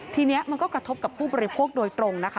ทีนี้มันก็กระทบกับผู้บริโภคโดยตรงนะคะ